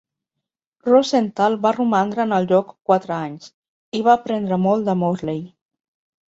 Rosenthal va romandre en el lloc quatre anys i va aprendre molt de Morley.